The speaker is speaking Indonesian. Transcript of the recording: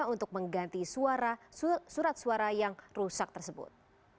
untuk mengganti surat suara yang rusak tersebut